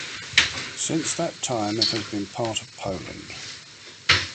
Since that time it has been part of Poland.